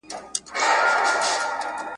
سوسیالیزم فردي نوښتونه له منځه وړي.